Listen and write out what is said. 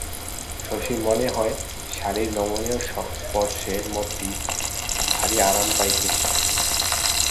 শশীর মনে হয় শাড়ির নমনীয় স্পর্শে মতি ভারি আরাম পাইতেছে।